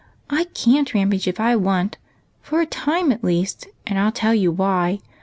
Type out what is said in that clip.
"I cmi't rampage if I want to, — for a time, at least ; and I '11 tell you why.